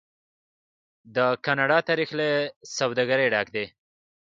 د کاناډا تاریخ له سوداګرۍ ډک دی.